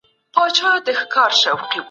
نورو ته اذیت او ضرر رسول بد عمل دی.